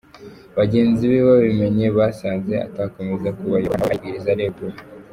Bagenzi be babimenye basanze atakomeza kubayobora nawe aribwiriza aregura.